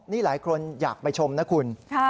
นี่หลายคนอยากไปชมนะคุณ